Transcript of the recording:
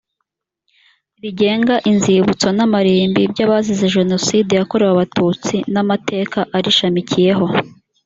rigenga inzibutso n amarimbi by abazize jenoside yakorewe abatutsi n amateka arishamikiyeho